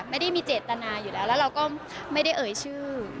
ไม่ได้มีเจตนาอยู่แล้วแล้วเราก็ไม่ได้เอ่ยชื่อ